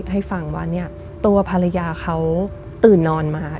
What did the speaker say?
ให้ฟังว่าเนี่ยตัวภรรยาเขาตื่นนอนมา